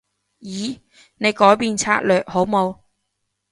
咦？你改變策略好冇？